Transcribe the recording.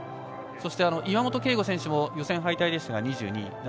そして、岩本啓吾選手も予選敗退でしたが、２２位。